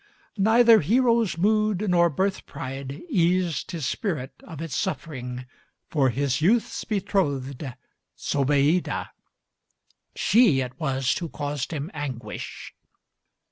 Neither hero's mood nor birth pride eased his spirit of its suffering For his youth's betrothed, Zobeïde; she it was who caused him anguish.